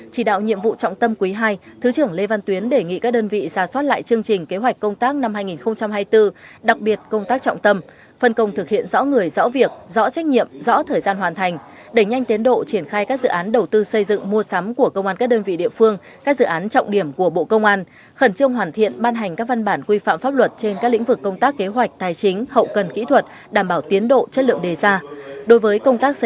chỉ đạo nhiệm vụ trọng tâm quý ii thứ trưởng lê văn tuyến đề nghị các đơn vị ra soát lại chương trình kế hoạch công tác năm hai nghìn hai mươi bốn đặc biệt công tác trọng tâm phân công thực hiện rõ người rõ việc rõ trách nhiệm rõ thời gian hoàn thành đẩy nhanh tiến độ triển khai các dự án đầu tư xây dựng mua sắm của công an các đơn vị địa phương các dự án trọng điểm của bộ công an khẩn trương hoàn thiện ban hành các văn bản quy phạm pháp luật trên các lĩnh vực công tác kế hoạch tài chính hậu cần kỹ thuật đảm bảo ti